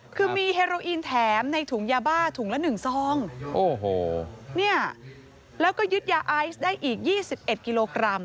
คือมีเฮโรอีนแถมในถุงยาบ้าถุงละ๑ซองแล้วก็ยึดยาไอซ์ได้อีก๒๑กิโลกรัม